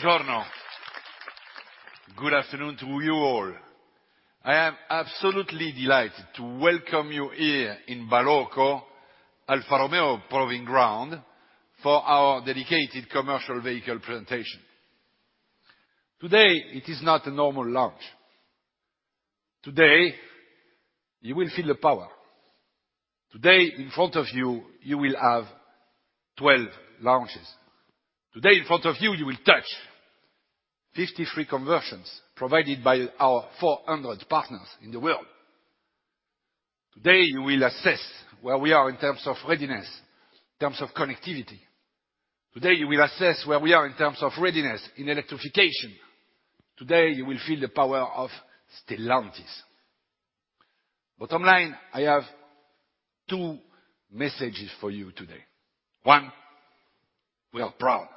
Buongiorno. Good afternoon to you all. I am absolutely delighted to welcome you here in Balocco, Alfa Romeo Proving Ground, for our dedicated commercial vehicle presentation. Today, it is not a normal launch. Today, you will feel the power. Today, in front of you, you will have 12 launches. Today, in front of you, you will touch 53 conversions provided by our 400 partners in the world. Today, you will assess where we are in terms of readiness, in terms of connectivity. Today, you will assess where we are in terms of readiness in electrification. Today, you will feel the power of Stellantis. Bottom line, I have two messages for you today. One, we are proud.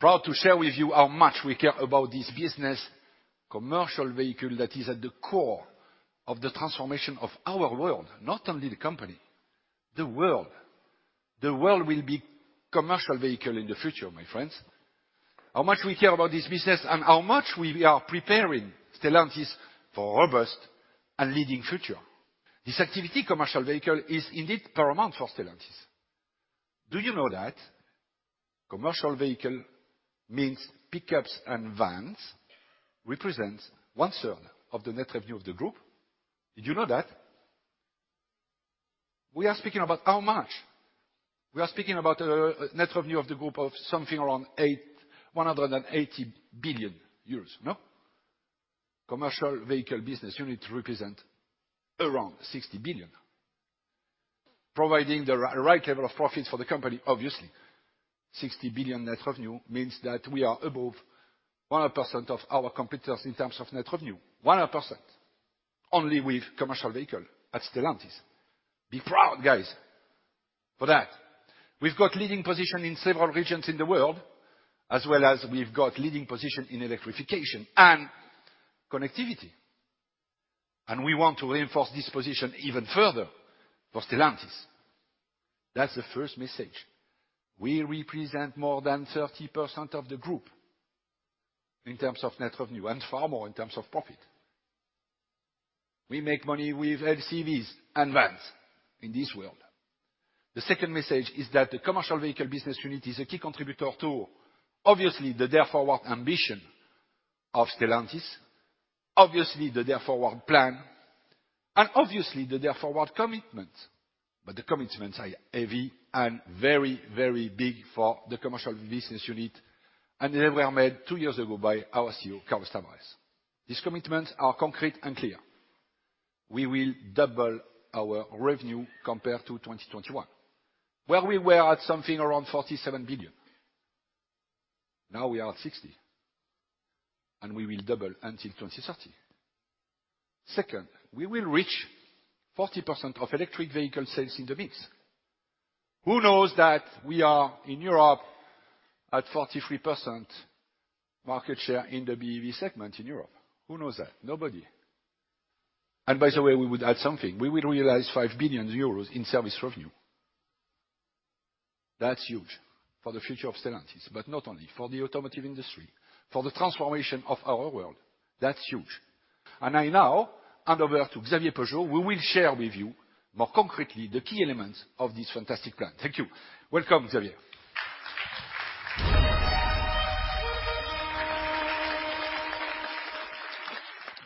Proud to share with you how much we care about this business, commercial vehicle that is at the core of the transformation of our world, not only the company, the world. The world will be commercial vehicle in the future, my friends. How much we care about this business and how much we are preparing Stellantis for a robust and leading future. This activity, commercial vehicle, is indeed paramount for Stellantis. Do you know that commercial vehicle means pickups and vans represents 1/3 of the net revenue of the group? Did you know that? We are speaking about how much? We are speaking about, net revenue of the group of something around 180 billion euros, no? Commercial vehicle business unit represent around 60 billion, providing the right level of profits for the company, obviously. 60 billion net revenue means that we are above 100% of our competitors in terms of net revenue, 100%, only with commercial vehicle at Stellantis. Be proud, guys, for that. We've got leading position in several regions in the world, as well as we've got leading position in electrification and connectivity, and we want to reinforce this position even further for Stellantis. That's the first message. We represent more than 30% of the group in terms of net revenue and far more in terms of profit. We make money with LCVs and vans in this world. The second message is that the commercial vehicle business unit is a key contributor to, obviously, the Dare Forward ambition of Stellantis, obviously, the Dare Forward plan, and obviously, the Dare Forward commitment. But the commitments are heavy and very, very big for the commercial business unit, and they were made two years ago by our CEO, Carlos Tavares. These commitments are concrete and clear. We will double our revenue compared to 2021, where we were at something around 47 billion. Now, we are at 60 billion, and we will double until 2030. Second, we will reach 40% of electric vehicle sales in the mix. Who knows that we are, in Europe, at 43% market share in the BEV segment in Europe? Who knows that? Nobody. And by the way, we would add something. We will realize 5 billion euros in service revenue. That's huge for the future of Stellantis, but not only, for the automotive industry, for the transformation of our world. That's huge. And I now hand over to Xavier Peugeot, who will share with you more concretely the key elements of this fantastic plan. Thank you. Welcome, Xavier.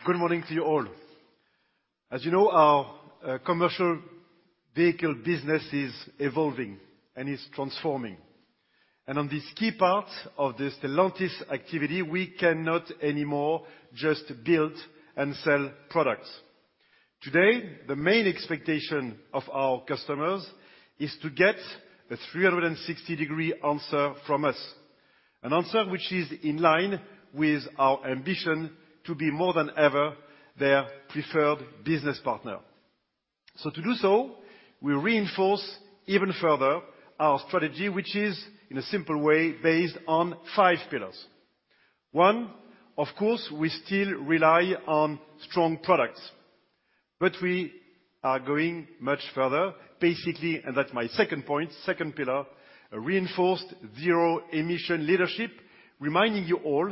Good morning to you all. As you know, our commercial vehicle business is evolving and is transforming. On this key part of the Stellantis activity, we cannot anymore just build and sell products. Today, the main expectation of our customers is to get a 360-degree answer from us, an answer which is in line with our ambition to be more than ever their preferred business partner. To do so, we reinforce even further our strategy, which is, in a simple way, based on five pillars. One, of course, we still rely on strong products, but we are going much further, basically, and that's my second point, second pillar, a reinforced zero-emission leadership, reminding you all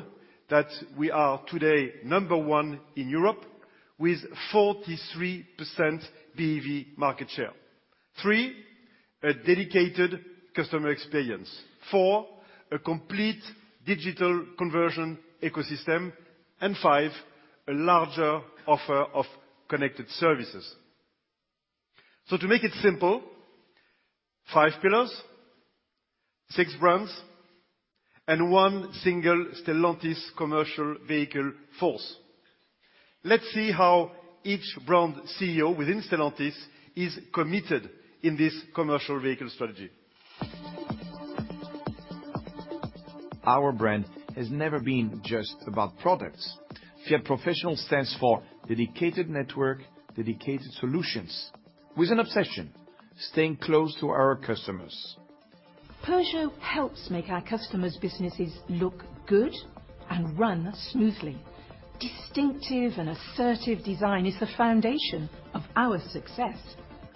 that we are today number one in Europe with 43% BEV market share. Three, a dedicated customer experience. Four, a complete digital conversion ecosystem. Five, a larger offer of connected services. To make it simple, five pillars, six brands, and one single Stellantis commercial vehicle force. Let's see how each brand CEO within Stellantis is committed in this commercial vehicle strategy. Our brand has never been just about products. Fiat Professional stands for dedicated network, dedicated solutions, with an obsession, staying close to our customers. Peugeot helps make our customers' businesses look good and run smoothly. Distinctive and assertive design is the foundation of our success.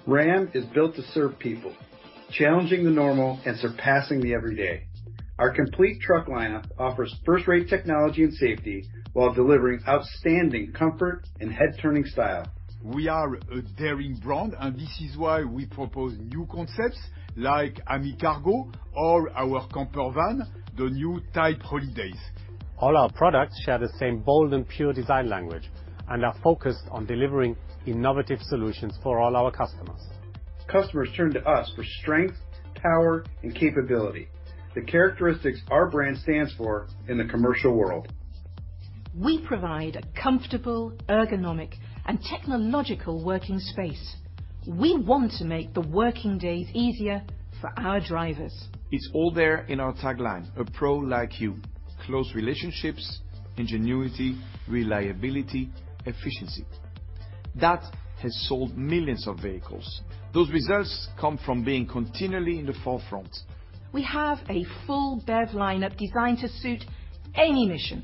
Ram is built to serve people, challenging the normal and surpassing the everyday. Our complete truck lineup offers first-rate technology and safety, while delivering outstanding comfort and head-turning style. We are a daring brand, and this is why we propose new concepts, like Ami Cargo or our camper van, the new Type Holidays. All our products share the same bold and pure design language, and are focused on delivering innovative solutions for all our customers. Customers turn to us for strength, power, and capability, the characteristics our brand stands for in the commercial world. We provide a comfortable, ergonomic, and technological working space. We want to make the working days easier for our drivers. It's all there in our tagline: "A pro like you." Close relationships, ingenuity, reliability, efficiency. That has sold millions of vehicles. Those results come from being continually in the forefront. We have a full BEV lineup designed to suit any mission,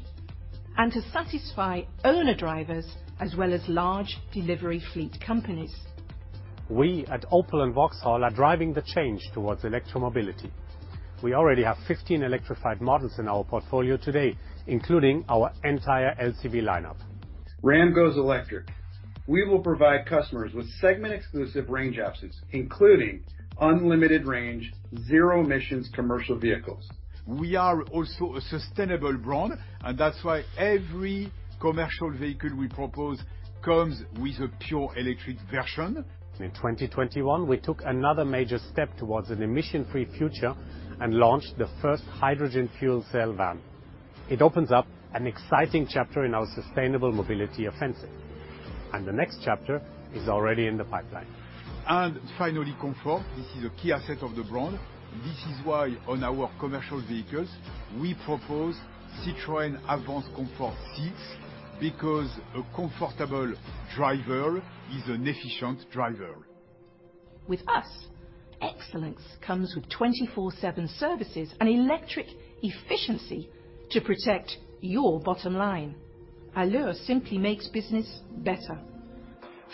and to satisfy owner-drivers, as well as large delivery fleet companies. We at Opel and Vauxhall are driving the change towards electromobility. We already have 15 electrified models in our portfolio today, including our entire LCV lineup. Ram goes electric. We will provide customers with segment-exclusive range options, including unlimited range, zero emissions commercial vehicles. We are also a sustainable brand, and that's why every commercial vehicle we propose comes with a pure electric version. In 2021, we took another major step towards an emission-free future, and launched the first hydrogen fuel cell van. It opens up an exciting chapter in our sustainable mobility offensive, and the next chapter is already in the pipeline. Finally, comfort. This is a key asset of the brand. This is why, on our commercial vehicles, we propose Citroën Advanced Comfort seats, because a comfortable driver is an efficient driver. With us, excellence comes with 24/7 services and electric efficiency to protect your bottom line. Allure simply makes business better.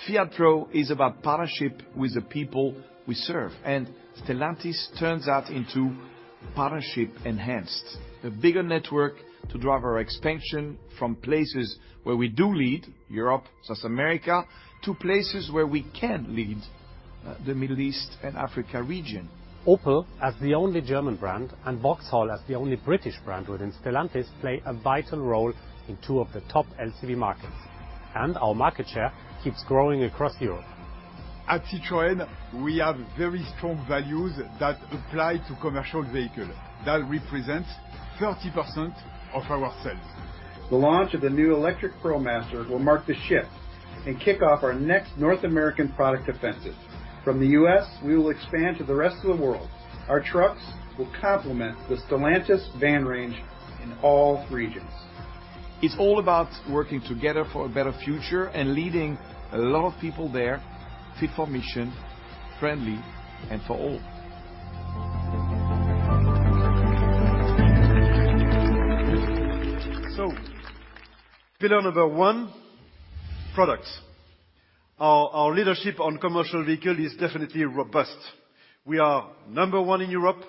Fiat Pro is about partnership with the people we serve, and Stellantis turns that into partnership enhanced. A bigger network to drive our expansion from places where we do lead, Europe, South America, to places where we can lead, the Middle East and Africa region. Opel, as the only German brand, and Vauxhall, as the only British brand within Stellantis, play a vital role in two of the top LCV markets, and our market share keeps growing across Europe. At Citroën, we have very strong values that apply to commercial vehicle, that represents 30% of our sales. The launch of the new electric ProMaster will mark the shift and kick off our next North American product offensive. From the U.S., we will expand to the rest of the world. Our trucks will complement the Stellantis van range in all regions. It's all about working together for a better future and leading a lot of people there, fit for mission, friendly, and for all. So pillar number one: products. Our leadership on commercial vehicle is definitely robust. We are number one in Europe,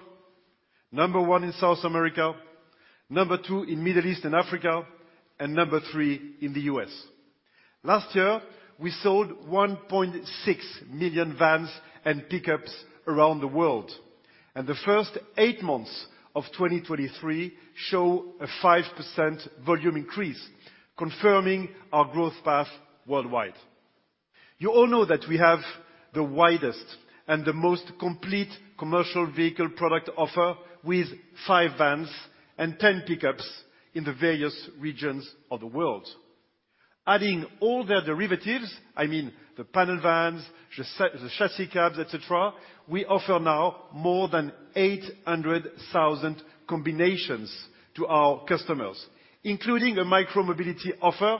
number one in South America, number two in Middle East and Africa, and number three in the U.S. Last year, we sold 1.6 million vans and pickups around the world, and the first eight months of 2023 show a 5% volume increase, confirming our growth path worldwide. You all know that we have the widest and the most complete commercial vehicle product offer, with five vans and 10 pickups in the various regions of the world. Adding all their derivatives, I mean, the panel vans, the chassis cabs, et cetera, we offer now more than 800,000 combinations to our customers, including a micro-mobility offer,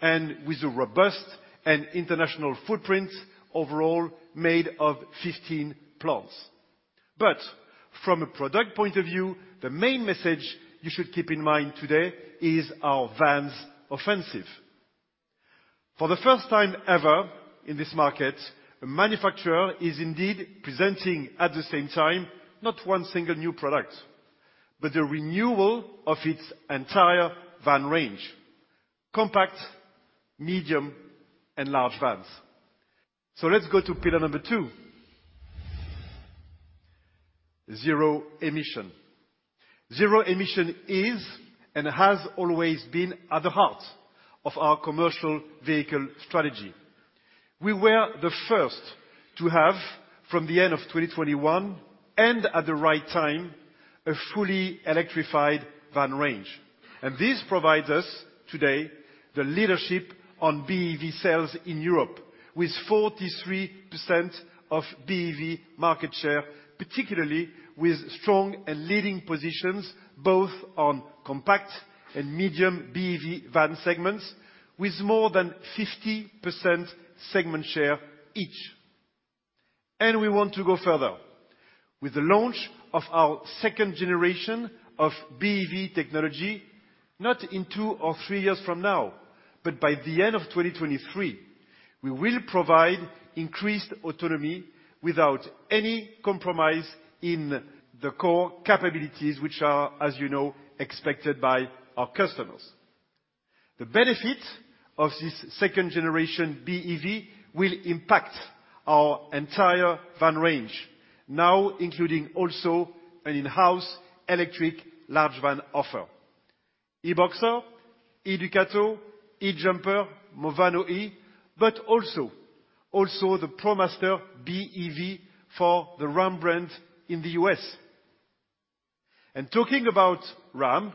and with a robust and international footprint overall made of 15 plants. But from a product point of view, the main message you should keep in mind today is our vans offensive. For the first time ever in this market, a manufacturer is indeed presenting, at the same time, not one single new product, but the renewal of its entire van range: compact, medium, and large vans. So let's go to pillar number two: zero emission. Zero emission is, and has always been, at the heart of our commercial vehicle strategy. We were the first to have, from the end of 2021, and at the right time, a fully electrified van range. And this provides us, today, the leadership on BEV sales in Europe, with 43% of BEV market share, particularly with strong and leading positions, both on compact and medium BEV van segments, with more than 50% segment share each. And we want to go further. With the launch of our 2nd generation of BEV technology, not in two or three years from now, but by the end of 2023, we will provide increased autonomy without any compromise in the core capabilities, which are, as you know, expected by our customers. The benefit of this 2nd generation BEV will impact our entire van range, now including also an in-house electric large van offer: e-Boxer, E-Ducato, ë-Jumper, Movano Electric, but also, also the ProMaster BEV for the Ram brand in the U.S. Talking about Ram,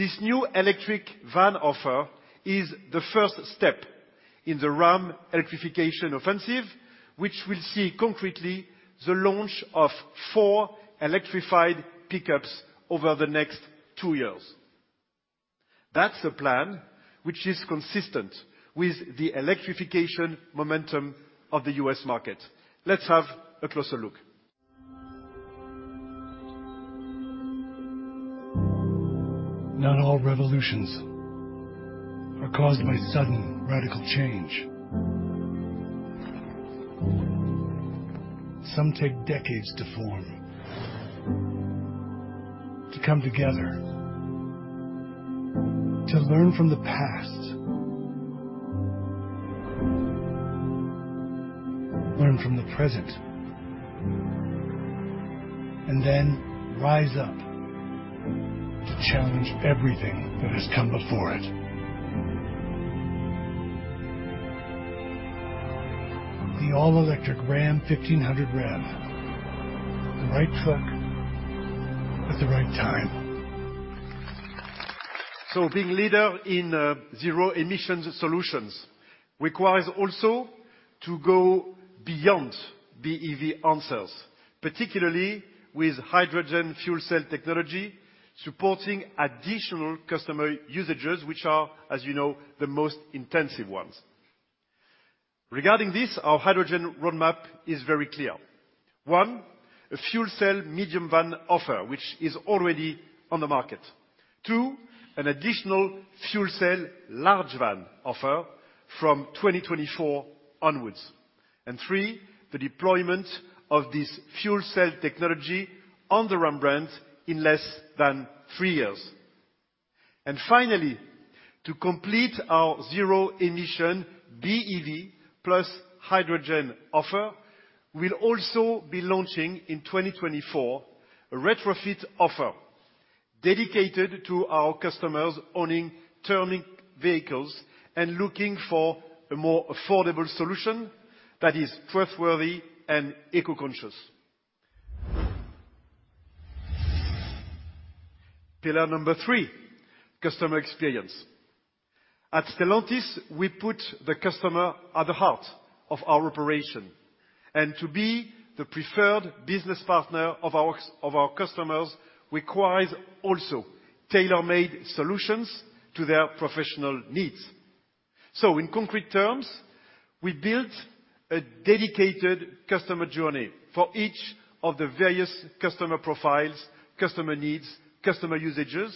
this new electric van offer is the first step in the Ram electrification offensive, which will see concretely the launch of four electrified pickups over the next two years. That's a plan which is consistent with the electrification momentum of the U.S. market. Let's have a closer look. Not all revolutions are caused by sudden, radical change. Some take decades to form, to come together, to learn from the past, learn from the present, and then rise up to challenge everything that has come before it. The all-electric Ram 1500 REV, the right truck at the right time. So being leader in zero emissions solutions requires also to go beyond BEV answers, particularly with hydrogen fuel cell technology supporting additional customer usages, which are, as you know, the most intensive ones. Regarding this, our hydrogen roadmap is very clear. One, a fuel cell medium van offer, which is already on the market. Two, an additional fuel cell large van offer from 2024 onwards. And three, the deployment of this fuel cell technology on the Ram brand in less than three years. And finally, to complete our zero emission BEV plus hydrogen offer, we'll also be launching, in 2024, a retrofit offer dedicated to our customers owning thermal vehicles and looking for a more affordable solution that is trustworthy and eco-conscious. Pillar number three: customer experience. At Stellantis, we put the customer at the heart of our operation, and to be the preferred business partner of our customers requires also tailor-made solutions to their professional needs. So in concrete terms, we built a dedicated customer journey for each of the various customer profiles, customer needs, customer usages,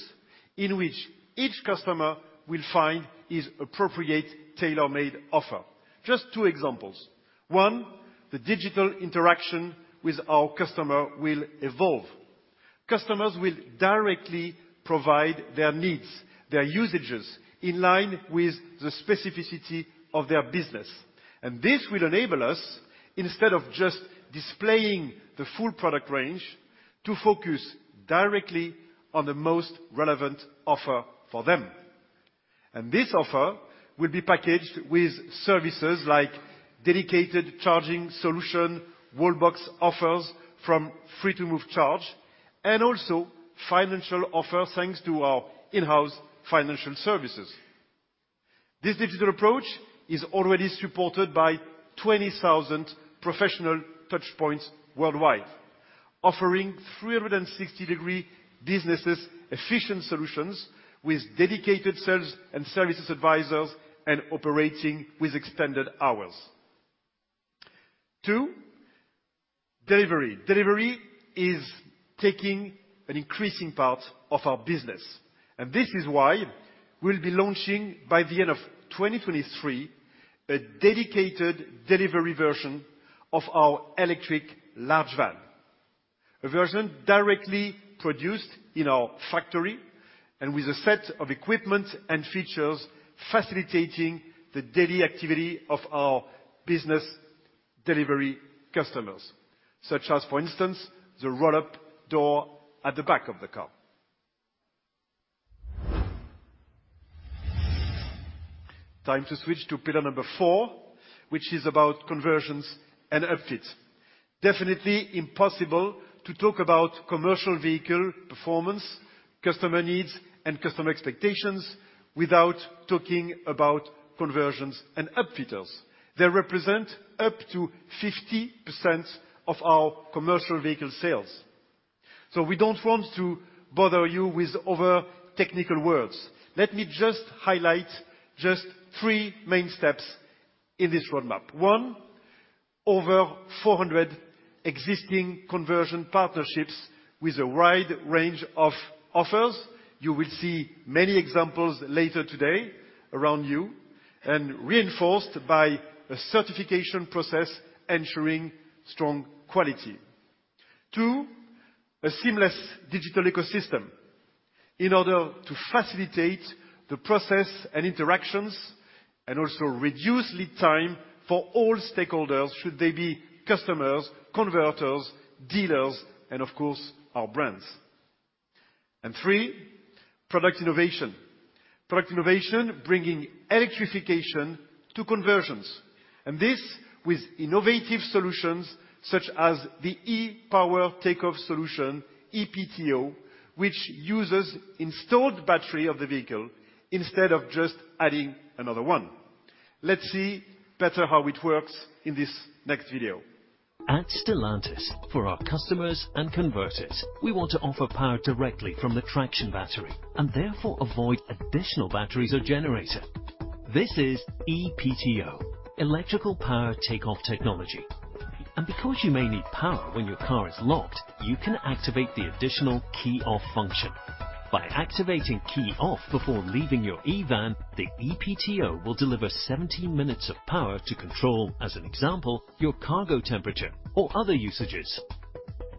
in which each customer will find his appropriate tailor-made offer. Just two examples. One, the digital interaction with our customer will evolve. Customers will directly provide their needs, their usages, in line with the specificity of their business, and this will enable us, instead of just displaying the full product range, to focus directly on the most relevant offer for them. And this offer will be packaged with services like dedicated charging solution, wall box offers from Free2move Charge, and also financial offers, thanks to our in-house financial services. This digital approach is already supported by 20,000 professional touchpoints worldwide, offering 360-degree businesses efficient solutions with dedicated sales and services advisors and operating with extended hours. Two, delivery. Delivery is taking an increasing part of our business, and this is why we'll be launching, by the end of 2023, a dedicated delivery version of our electric large van. A version directly produced in our factory and with a set of equipment and features facilitating the daily activity of our business delivery customers, such as, for instance, the roll-up door at the back of the car. Time to switch to pillar number four, which is about conversions and upfits. Definitely impossible to talk about commercial vehicle performance, customer needs, and customer expectations without talking about conversions and upfitters. They represent up to 50% of our commercial vehicle sales. So we don't want to bother you with other technical words. Let me just highlight just three main steps in this roadmap. One, over 400 existing conversion partnerships with a wide range of offers. You will see many examples later today around you, and reinforced by a certification process ensuring strong quality. Two, a seamless digital ecosystem in order to facilitate the process and interactions, and also reduce lead time for all stakeholders, should they be customers, converters, dealers, and of course, our brands. And three, product innovation. Product innovation, bringing electrification to conversions, and this with innovative solutions such as the e-Power Take-Off solution, e-PTO, which uses installed battery of the vehicle instead of just adding another one. Let's see better how it works in this next video. At Stellantis, for our customers and converters, we want to offer power directly from the traction battery, and therefore avoid additional batteries or generator. This is e-PTO, electrical power take-off technology. Because you may need power when your car is locked, you can activate the additional key off function. By activating key off before leaving your e-van, the e-PTO will deliver 17 minutes of power to control, as an example, your cargo temperature or other usages.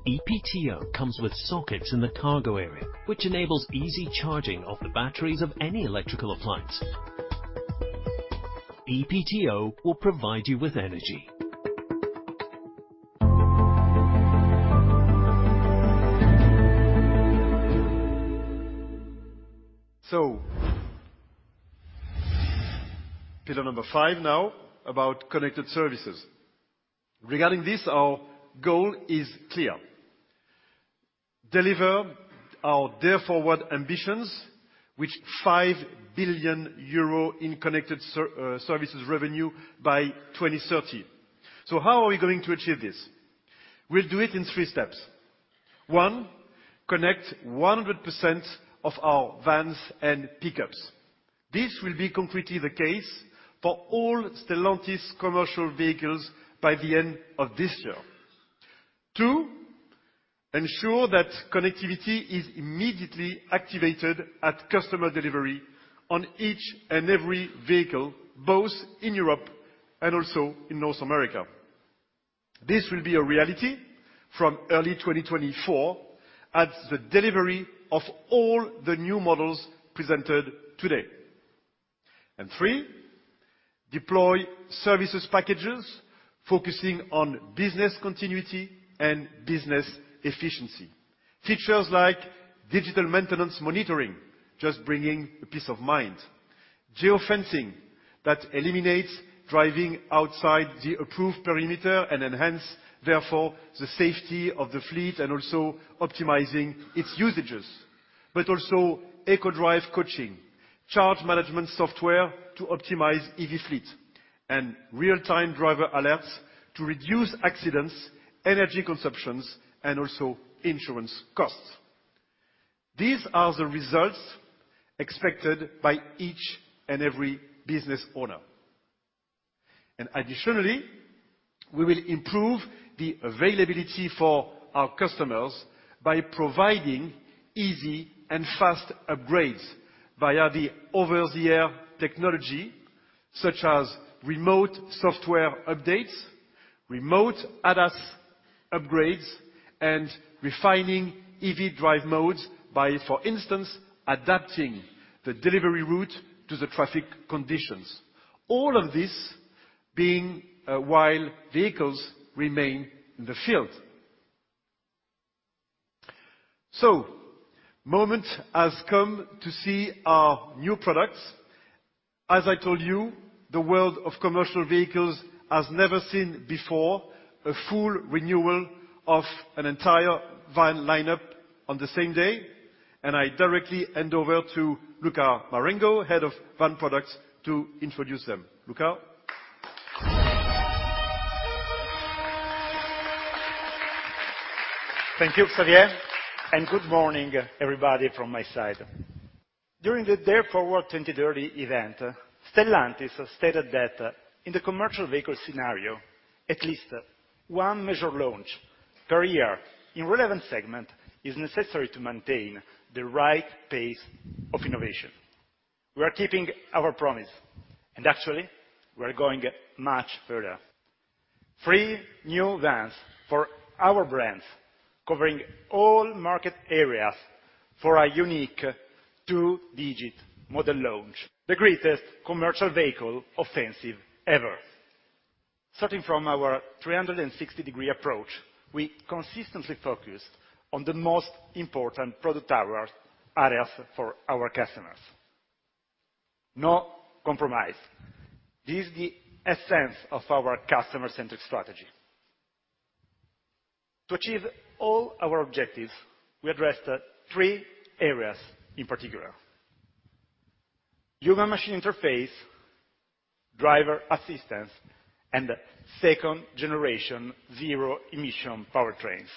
e-PTO comes with sockets in the cargo area, which enables easy charging of the batteries of any electrical appliance. e-PTO will provide you with energy. So, pillar number five now, about connected services. Regarding this, our goal is clear: deliver our Dare Forward ambitions, which 5 billion euro in connected services revenue by 2030. So how are we going to achieve this? We'll do it in three steps. One, connect 100% of our vans and pickups. This will be completely the case for all Stellantis commercial vehicles by the end of this year. Two, ensure that connectivity is immediately activated at customer delivery on each and every vehicle, both in Europe and also in North America. This will be a reality from early 2024 at the delivery of all the new models presented today. And three, deploy services packages focusing on business continuity and business efficiency. Features like digital maintenance monitoring, just bringing a peace of mind. Geo-fencing that eliminates driving outside the approved perimeter and enhances, therefore, the safety of the fleet and also optimizing its usages. But also, eco-drive coaching, charge management software to optimize EV fleet, and real-time driver alerts to reduce accidents, energy consumptions, and also insurance costs. These are the results expected by each and every business owner. Additionally, we will improve the availability for our customers by providing easy and fast upgrades via the over-the-air technology, such as remote software updates, remote ADAS upgrades, and refining EV drive modes by, for instance, adapting the delivery route to the traffic conditions. All of this being while vehicles remain in the field. So, the moment has come to see our new products. As I told you, the world of commercial vehicles has never seen before a full renewal of an entire van lineup on the same day, and I directly hand over to Luca Marengo, Head of Van Products, to introduce them. Luca? Thank you, Xavier, and good morning, everybody from my side. During the Dare Forward 2030 event, Stellantis stated that in the commercial vehicle scenario, at least one measure launch per year in relevant segment is necessary to maintain the right pace of innovation. We are keeping our promise, and actually, we are going much further. Three new vans for our brands, covering all market areas for a unique two-digit model launch, the greatest commercial vehicle offensive ever. Starting from our 360-degree approach, we consistently focused on the most important product areas, areas for our customers. No compromise. This is the essence of our customer-centric strategy. To achieve all our objectives, we addressed three areas in particular: human machine interface, driver assistance, and 2nd-gen zero-emission powertrains.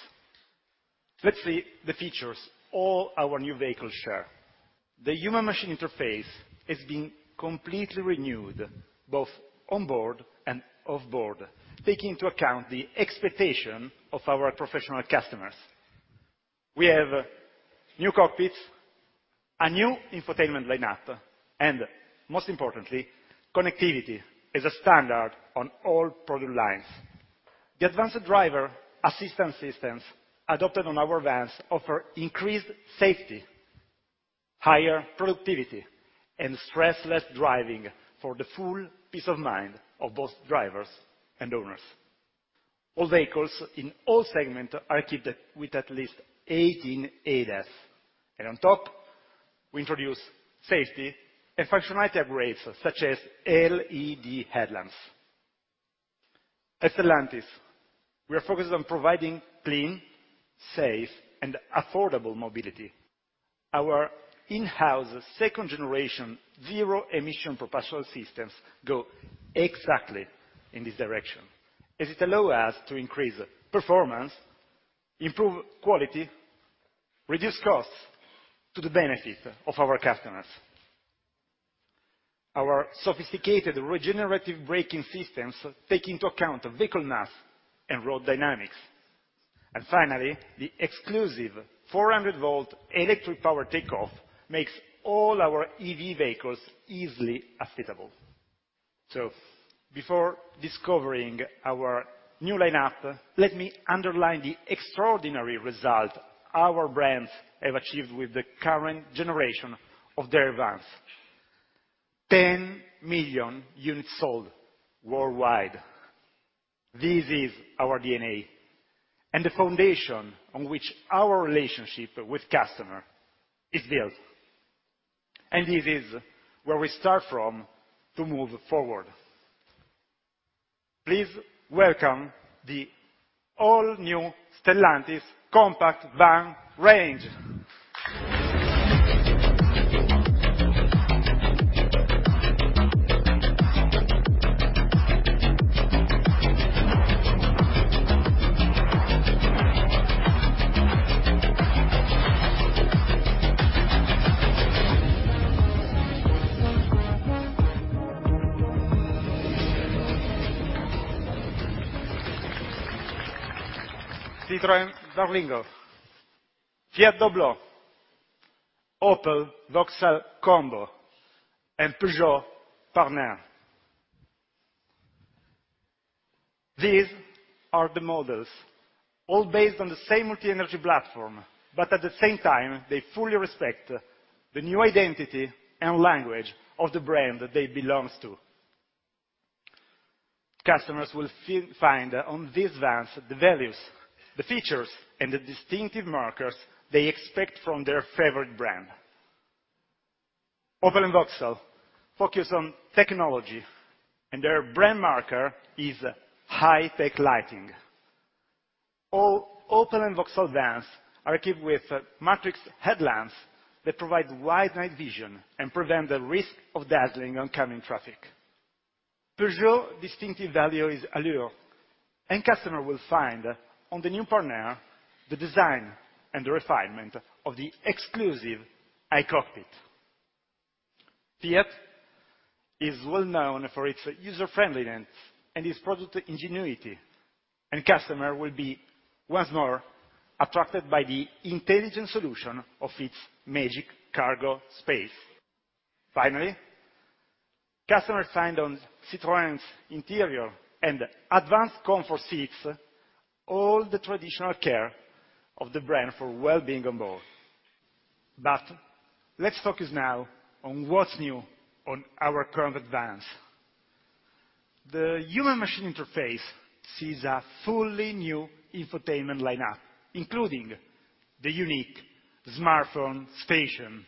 Let's see the features all our new vehicles share. The human machine interface has been completely renewed, both on board and off board, taking into account the expectation of our professional customers. We have new cockpits, a new infotainment lineup, and most importantly, connectivity is a standard on all product lines. The advanced driver assistance systems adopted on our vans offer increased safety, higher productivity, and stressless driving for the full peace of mind of both drivers and owners. All vehicles in all segment are equipped with at least 18 ADAS. On top, we introduce safety and functionality upgrades, such as LED headlamps. At Stellantis, we are focused on providing clean, safe, and affordable mobility. Our in-house 2nd-gen zero-emission propulsion systems go exactly in this direction, as it allow us to increase performance, improve quality, reduce costs to the benefit of our customers. Our sophisticated regenerative braking systems take into account vehicle mass and road dynamics. And finally, the exclusive 400-volt electric power takeoff makes all our EV vehicles easily applicable. So before discovering our new lineup, let me underline the extraordinary result our brands have achieved with the current generation of their vans: 10 million units sold worldwide. This is our DNA and the foundation on which our relationship with customer is built, and this is where we start from to move forward. Please welcome the all-new Stellantis compact van range. Citroën Berlingo, Fiat Doblò, Opel/Vauxhall Combo, and Peugeot Partner. These are the models, all based on the same multi-energy platform, but at the same time, they fully respect the new identity and language of the brand that they belongs to. Customers will find on these vans, the values, the features, and the distinctive markers they expect from their favorite brand. Opel and Vauxhall focus on technology, and their brand marker is high-tech lighting. All Opel and Vauxhall vans are equipped with matrix headlamps that provide wide night vision and prevent the risk of dazzling oncoming traffic. Peugeot distinctive value is allure, and customer will find on the new Partner, the design and the refinement of the exclusive i-Cockpit. Fiat is well known for its user-friendliness and its product ingenuity, and customer will be, once more, attracted by the intelligent solution of its Magic Cargo space. Finally, customers find on Citroën's interior and Advanced Comfort seats, all the traditional care of the brand for well-being on board. But let's focus now on what's new on our current vans. The human machine interface sees a fully new infotainment lineup, including the unique Smartphone Station.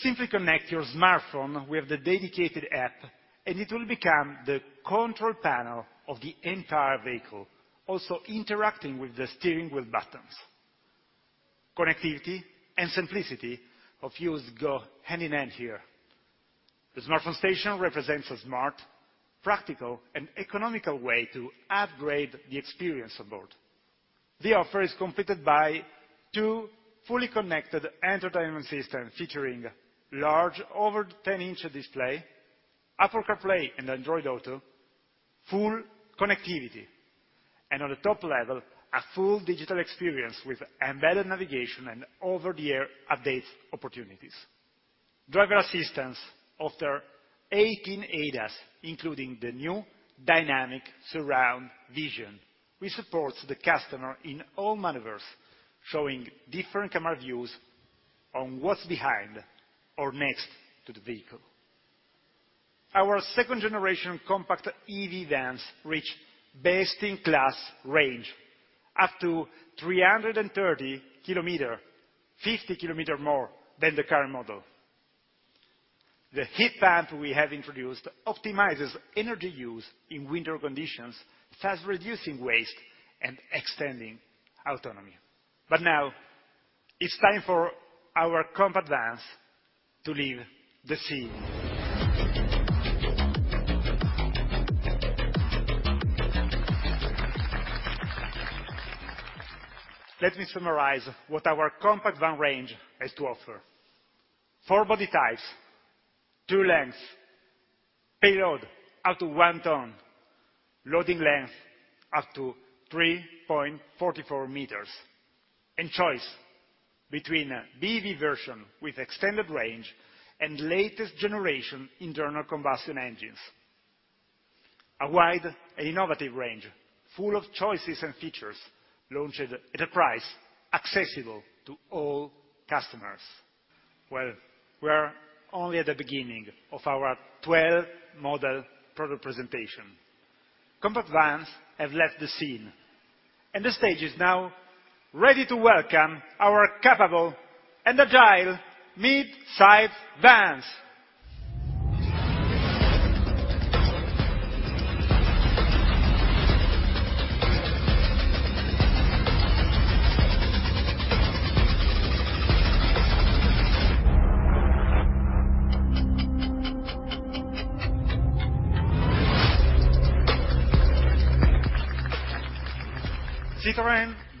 Simply connect your smartphone with the dedicated app, and it will become the control panel of the entire vehicle, also interacting with the steering wheel buttons. Connectivity and simplicity of use go hand in hand here. The Smartphone Station represents a smart, practical, and economical way to upgrade the experience on board. The offer is completed by two fully connected entertainment system, featuring large, over 10-inch display, Apple CarPlay and Android Auto, full connectivity, and on the top level, a full digital experience with embedded navigation and over-the-air updates opportunities. Driver assistance offer 18 ADAS, including the new Dynamic Surround Vision. We support the customer in all maneuvers, showing different camera views on what's behind or next to the vehicle. Our second-generation compact EV vans reach best-in-class range, up to 330 km, 50 km more than the current model. The heat pump we have introduced optimizes energy use in winter conditions, thus reducing waste and extending range and autonomy. But now, it's time for our compact vans to leave the scene. Let me summarize what our compact van range has to offer: four body types, two lengths, payload up to 1 ton, loading length up to 3.44 m, and choice between a BEV version with extended range and latest generation internal combustion engines. A wide and innovative range, full of choices and features, launched at a price accessible to all customers. Well, we are only at the beginning of our 12-model product presentation. Compact vans have left the scene, and the stage is now ready to welcome our capable and agile mid-size vans.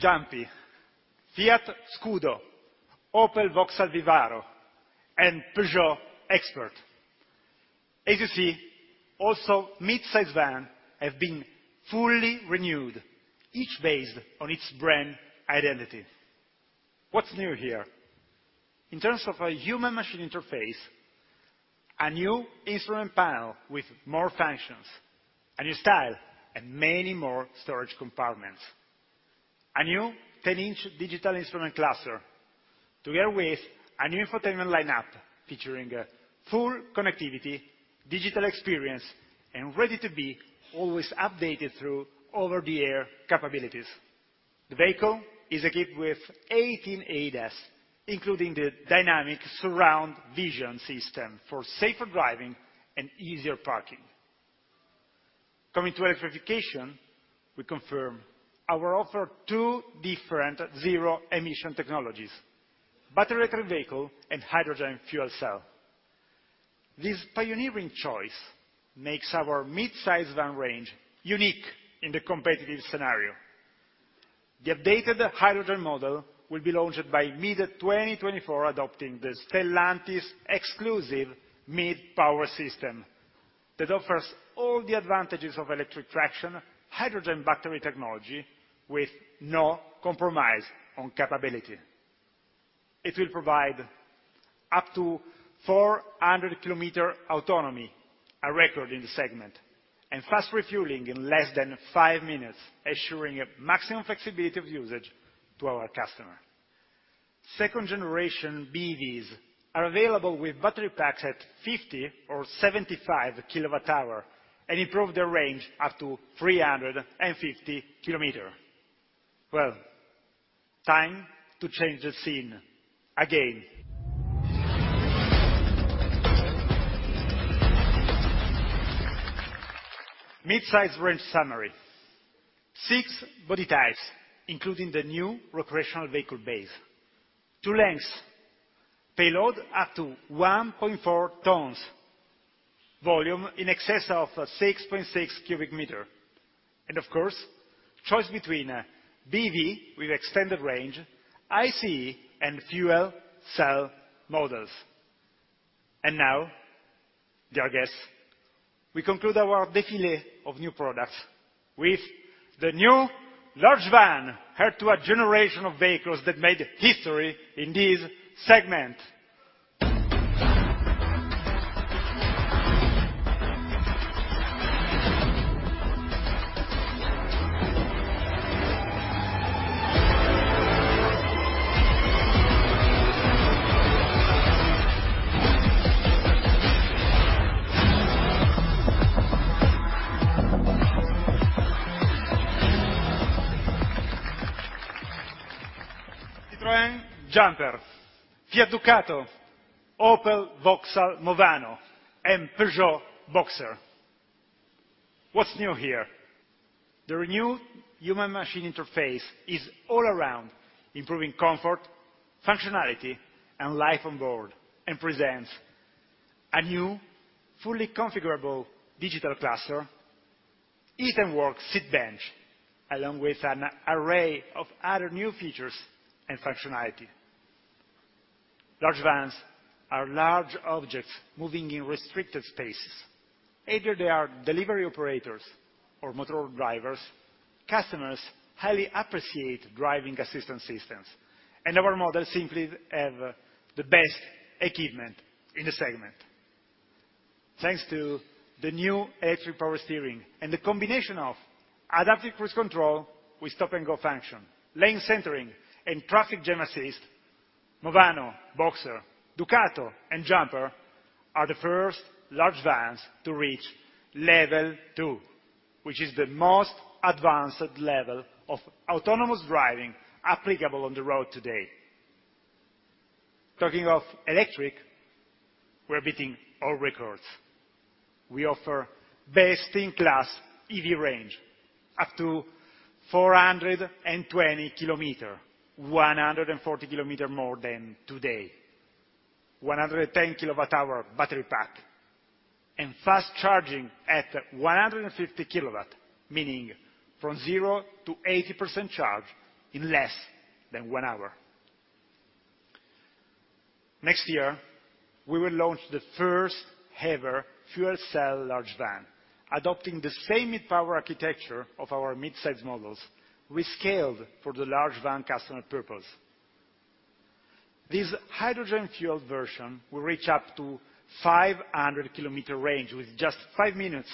Citroën Jumpy, Fiat Scudo, Opel/Vauxhall Vivaro, and Peugeot Expert. As you see, also mid-size van have been fully renewed, each based on its brand identity. What's new here? In terms of a human-machine interface, a new instrument panel with more functions, a new style, and many more storage compartments. A new 10-inch digital instrument cluster, together with a new infotainment lineup, featuring a full connectivity, digital experience, and ready to be always updated through over-the-air capabilities. The vehicle is equipped with 18 ADAS, including the Dynamic Surround Vision system, for safer driving and easier parking. Coming to electrification, we confirm our offer two different zero-emission technologies: battery electric vehicle and hydrogen fuel cell. This pioneering choice makes our mid-size van range unique in the competitive scenario. The updated hydrogen model will be launched by mid-2024, adopting the Stellantis-exclusive Mid-Power system that offers all the advantages of electric traction, hydrogen battery technology, with no compromise on capability. It will provide up to 400 km autonomy, a record in the segment, and fast refueling in less than five minutes, ensuring maximum flexibility of usage to our customer. 2nd-gen BEVs are available with battery packs at 50 kWh or 75 kWh, and improve their range up to 350 km. Well, time to change the scene again. Mid-size range summary: six body types, including the new recreational vehicle base, two lengths, payload up to 1.4 tons, volume in excess of 6.6 cu m, and of course, choice between BEV with extended range, ICE, and fuel cell models. Now, dear guests, we conclude our defile of new products with the new large van, heir to a generation of vehicles that made history in this segment. Citroën Jumper, Fiat Ducato, Opel/Vauxhall Movano, and Peugeot Boxer. What's new here? The renewed human-machine interface is all around, improving comfort, functionality, and life on board, and presents a new, fully configurable digital cluster, Eat & Work seat bench, along with an array of other new features and functionality. Large vans are large objects moving in restricted spaces. Either they are delivery operators or motor drivers, customers highly appreciate driving assistance systems, and our models simply have the best equipment in the segment. Thanks to the new electric power steering and the combination of adaptive cruise control with stop-and-go function, lane centering, and traffic jam assist, Movano, Boxer, Ducato, and Jumper are the first large vans to reach Level 2, which is the most advanced level of autonomous driving applicable on the road today. Talking of electric, we're beating all records. We offer best-in-class EV range, up to 420 km, 140 km more than today. 110 kWh battery pack, and fast charging at 150 kW, meaning from 0 to 80% charge in less than one hour. Next year, we will launch the first ever fuel cell large van, adopting the same Mid-Power architecture of our midsize models, rescaled for the large van customer purpose. This hydrogen-fueled version will reach up to 500 km range, with just five minutes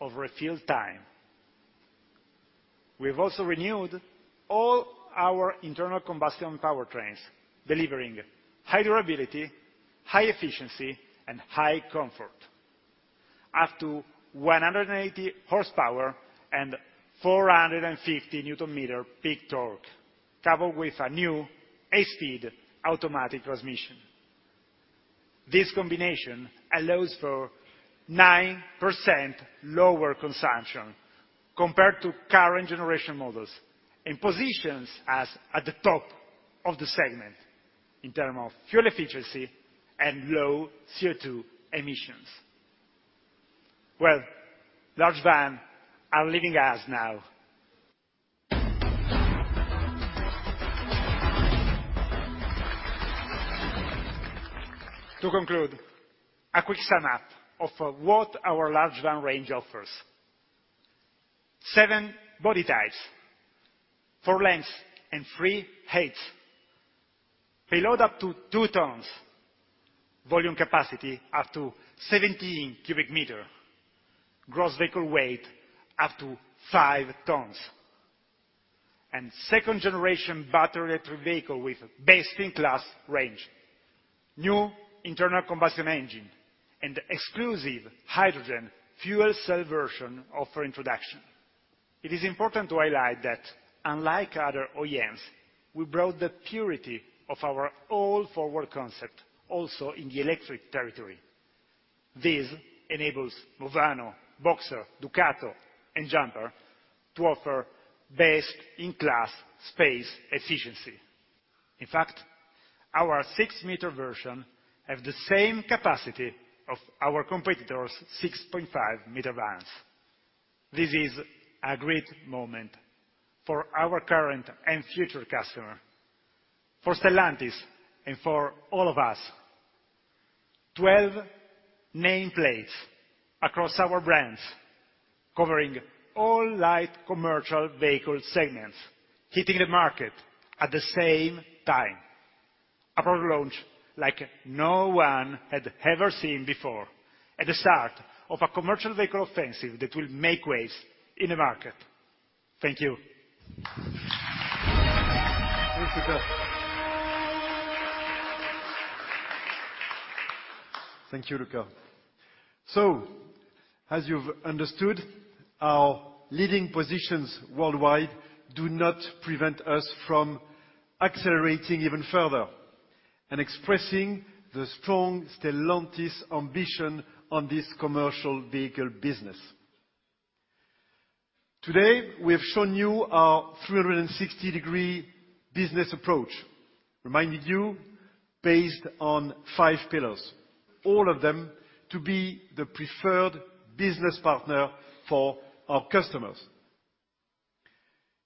of refuel time. We've also renewed all our internal combustion powertrains, delivering high durability, high efficiency, and high comfort, up to 180 hp and 450 Nm peak torque, coupled with a new eight-speed automatic transmission. This combination allows for 9% lower consumption, compared to current generation models, and positions us at the top of the segment in term of fuel efficiency and low CO2 emissions. Well, large van are leaving us now. To conclude, a quick sum-up of what our large van range offers: seven body types, four lengths, and three heights. Payload up to 2 tons, volume capacity up to 17 cu m, gross vehicle weight up to 5 tons, and 2nd-gen battery electric vehicle with best-in-class range, new internal combustion engine, and exclusive hydrogen fuel cell version of introduction. It is important to highlight that, unlike other OEMs, we brought the purity of our all-forward concept also in the electric territory. This enables Movano, Boxer, Ducato, and Jumper to offer best-in-class space efficiency. In fact, our 6-meter version have the same capacity of our competitor's 6.5-meter vans. This is a great moment for our current and future customer, for Stellantis, and for all of us. 12 nameplates across our brands, covering all light commercial vehicle segments, hitting the market at the same time. A product launch like no one had ever seen before, and the start of a commercial vehicle offensive that will make waves in the market. Thank you. Thank you, Luca. So, as you've understood, our leading positions worldwide do not prevent us from accelerating even further and expressing the strong Stellantis ambition on this commercial vehicle business. Today, we have shown you our 360-degree business approach, reminded you, based on five pillars, all of them to be the preferred business partner for our customers.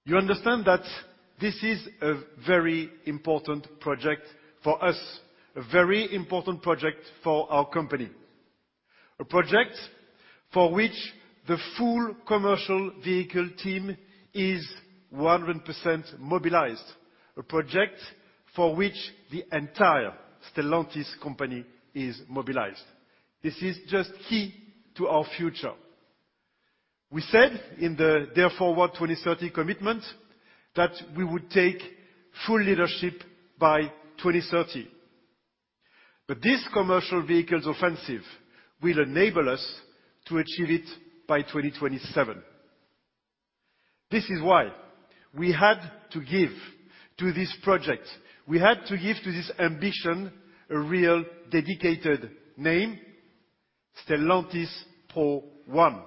You understand that this is a very important project for us, a very important project for our company, a project for which the full commercial vehicle team is 100% mobilized, a project for which the entire Stellantis company is mobilized. This is just key to our future. We said in the Dare Forward 2030 commitment that we would take full leadership by 2030, but this commercial vehicles offensive will enable us to achieve it by 2027. This is why we had to give to this project, we had to give to this ambition, a real dedicated name: Stellantis Pro One.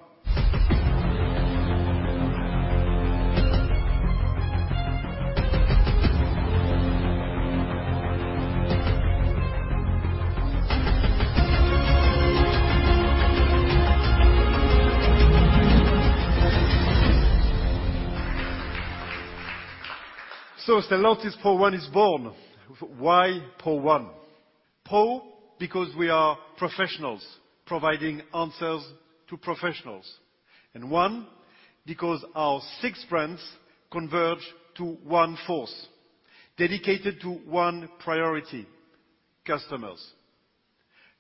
So Stellantis Pro One is born. Why Pro One? Pro, because we are professionals providing answers to professionals, and One, because our six brands converge to one force, dedicated to one priority: customers.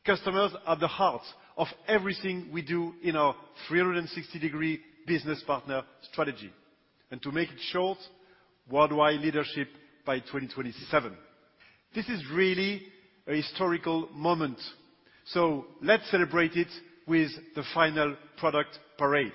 Customers are the heart of everything we do in our 360-degree business partner strategy. And to make it short, worldwide leadership by 2027. This is really a historical moment, so let's celebrate it with the final product parade.